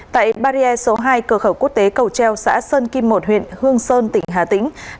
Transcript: tại barrier số hai cửa khẩu quốc tế cầu treo xã sơn kim một huyện hương sơn tỉnh hà tĩnh